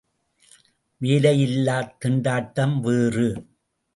வேலையில்லாத் திண்டாட்டம் வேறு!